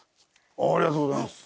ありがとうございます。